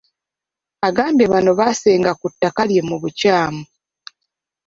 Agambye bano baasenga ku ttaka lye mu bukyamu.